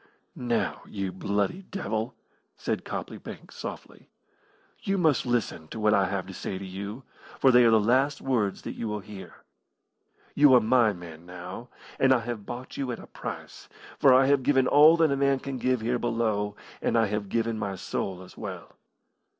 "Now, you bloody devil," said Copley Banks, softly, "you must listen to what I have to say to you, for they are the last words that you will hear. You are my man now, and I have bought you at a price, for I have given all that a man can give here below, and I have given my soul as well.